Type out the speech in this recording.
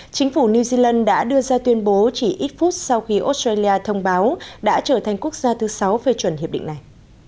chính phủ new zealand đã đưa ra tuyên bố chỉ ít phút sau khi australia thông báo đã trở thành quốc gia thứ sáu phê chuẩn hiệp định này